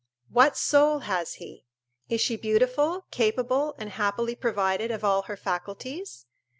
What soul has he? Is she beautiful, capable, and happily provided of all her faculties?